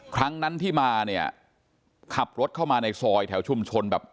ครั้งนั้นที่มาเนี่ยขับรถเข้ามาในซอยแถวชุมชนแบบ